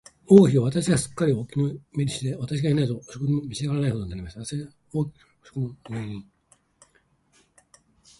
王妃は私がすっかりお気に入りで、私がいないと食事も召し上らないほどになりました。私は王妃の食卓の上に、